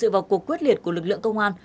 trong một cuộc quyết liệt của lực lượng công an